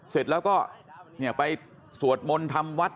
เสร็จแล้วก็ไปสวดมนต์ทำวัด